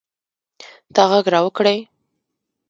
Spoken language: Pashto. تا ږغ را وکړئ.